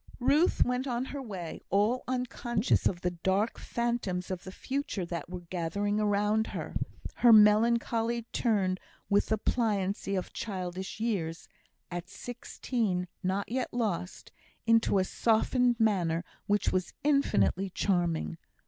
Ruth went on her way, all unconscious of the dark phantoms of the future that were gathering around her; her melancholy turned, with the pliancy of childish years, at sixteen not yet lost, into a softened manner which was infinitely charming.